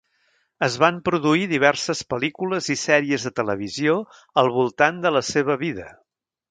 Es van produir diverses pel·lícules i sèries de televisió al voltant de la seva vida.